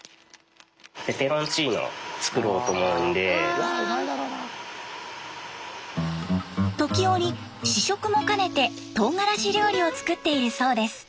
時折試食も兼ねてとうがらし料理を作っているそうです。